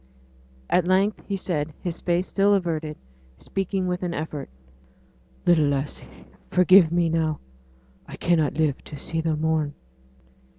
At length he said, his face still averted, speaking with an effort. 'Little lassie, forgive me now! I cannot live to see the morn!'